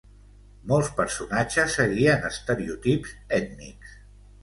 Molts personatges seguien estereotips ètnics.